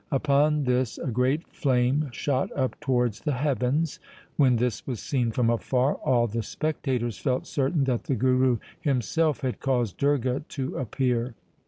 Upon this a great flame shot up towards the heavens. When this was seen from afar, all the spectators felt certain that the Guru himself had caused Durga to appear.